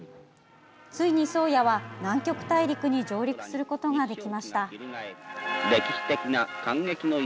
ついに「宗谷」は南極大陸に上陸することができました。